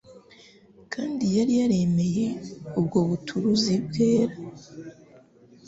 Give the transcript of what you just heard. kandi yari yaremeye ubwo buturuzi bwera.